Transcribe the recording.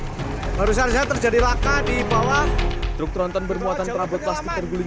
hai barusan saya terjadi laka di bawah truk tronton bermuatan terabot plastik terguling